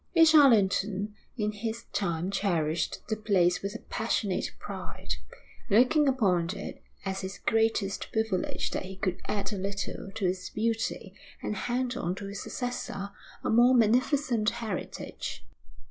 Each Allerton in his time cherished the place with a passionate pride, looking upon it as his greatest privilege that he could add a little to its beauty and hand on to his successor a more magnificent heritage.